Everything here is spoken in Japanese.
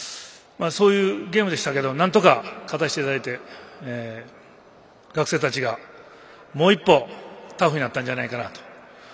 そういうゲームでしたけどなんとか勝たせていただいて学生たちがもう一歩タフになったんじゃないかなと。